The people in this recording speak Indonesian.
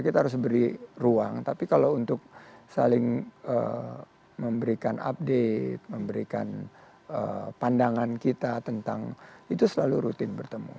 kita harus beri ruang tapi kalau untuk saling memberikan update memberikan pandangan kita tentang itu selalu rutin bertemu